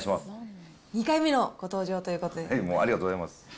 ２回目のご登場ということで。